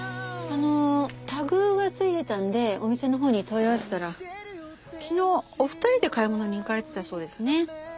あのタグが付いてたんでお店のほうに問い合わせたら昨日お二人で買い物に行かれてたそうですね。